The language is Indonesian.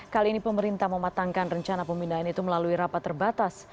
kali ini pemerintah mematangkan rencana pemindahan itu melalui rapat terbatas